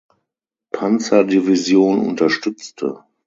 Panzer-Division unterstützte.